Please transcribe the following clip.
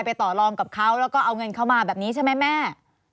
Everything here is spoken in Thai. ต่อรองกับเขาแล้วก็เอาเงินเข้ามาแบบนี้ใช่ไหมแม่